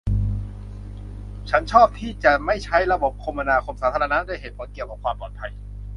ฉันชอบที่จะไม่ใช้ระบบคมนาคมสาธารณะด้วยเหตุผลเกี่ยวกับความปลอดภัย